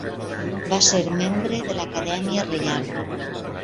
Va ser membre de la Acadèmia Reial.